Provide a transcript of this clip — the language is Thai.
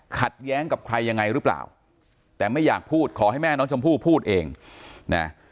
ขัดแย้งกับใครยังไงหรือเปล่าแต่ไม่อยากพูดขอให้แม่น้องชมพู่พูดเองนะ